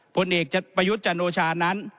พนเอกประยุจจันโอชานั้น